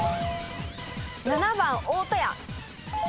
７番大戸屋。